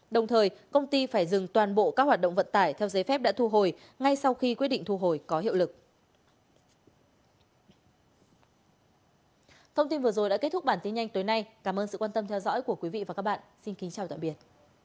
đồng thời công ty phải dừng toàn bộ các hoạt động vận tải theo giấy phép đã thu hồi ngay sau khi quyết định thu hồi có hiệu lực